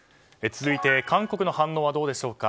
続いて韓国の反応はどうでしょうか。